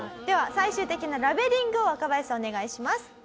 最終的なラベリングを若林さんお願いします。